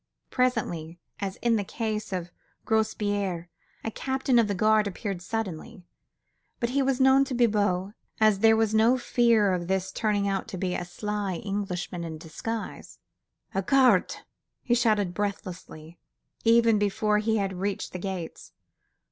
Presently, as in the case of Grospierre, a captain of the guard appeared suddenly. But he was known to Bibot, and there was no fear of his turning out to be a sly Englishman in disguise. "A cart, ..." he shouted breathlessly, even before he had reached the gates.